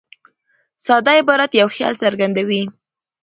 ساده عبارت یو خیال څرګندوي.